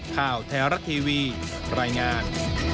ข่าวแท้รัฐทีวีรายงาน